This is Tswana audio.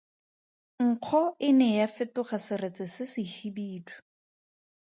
Nkgo e ne ya fetoga seretse se sehibidu.